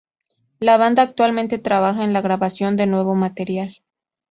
La banda actualmente trabaja en la grabación de nuevo material.